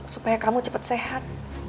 supaya kamu cepet sehat